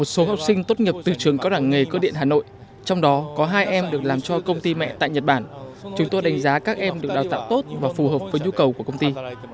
số học sinh tốt nghiệp từ trường cao đẳng nghề cơ điện hà nội trong đó có hai em được làm cho công ty mẹ tại nhật bản chúng tôi đánh giá các em được đào tạo tốt và phù hợp với nhu cầu của công ty